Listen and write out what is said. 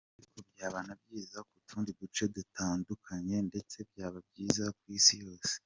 Ariko byaba na byiza ku tundi duce dutandukanye ndetse byaba byiza ku Isi yose.